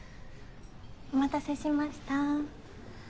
・お待たせしました。